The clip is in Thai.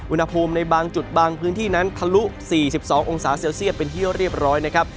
อุณหภูมิในบางจุดบางพื้นที่นั้นทะลุ๔๒องศาเซลเซียตเป็นที่เรียบร้อยนะครับ